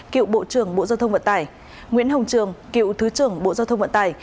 cựu bộ trưởng bộ giao thông vận tải nguyễn hồng trường cựu thứ trưởng bộ giao thông vận tải